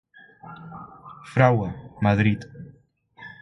Fragua: Madrid